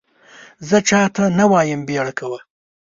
زه چا ته نه وایم بیړه کوه !